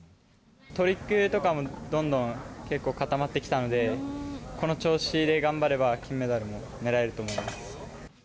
トリックとかもどんどん結構固まってきたので、この調子で頑張れば金メダルも狙えると思います。